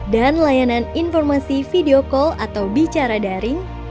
dan layanan informasi video call atau bicara daring